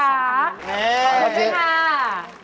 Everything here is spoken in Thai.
พรุ่งไฟ่ค่ะดีจริง